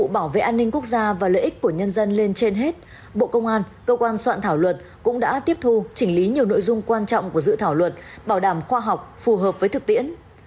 bộ công an cơ quan soạn thảo luật cũng đã tiếp thu chỉnh lý nhiều nội dung quan trọng của dự thảo luật bảo đảm khoa học phù hợp với thực tiễn